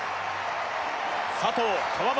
佐藤川端